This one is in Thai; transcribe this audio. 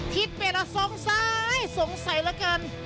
คิดไปแล้วสงสัยสงสัยเหลือเกิน